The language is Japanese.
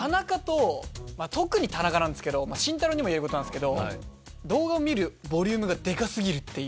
特に田中なんですけど慎太郎にも言えることなんすけど動画を見るボリュームがデカ過ぎるっていう。